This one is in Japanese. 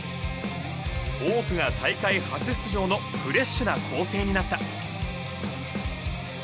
多くが大会初出場のフレッシュな構成になった。